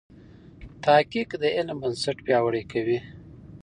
تحقیق د علم بنسټ پیاوړی کوي.